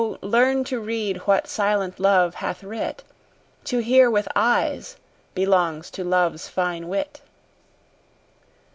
learn to read what silent love hath writ: To hear with eyes belongs to love's fine wit.